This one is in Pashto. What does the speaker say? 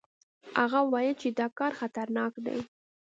هغه ویل چې دا کار خطرناک دی.